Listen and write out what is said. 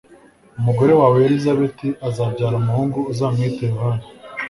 Umugore wawe Elizabeti azabyara umuhungu uzamwite Yohana.